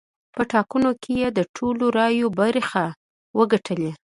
په ټاکنو کې یې د ټولو رایو برخه وګټلې.